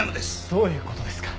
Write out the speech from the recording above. どういう事ですか？